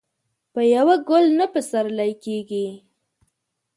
په يوه ګل نه پسرلی کېږي.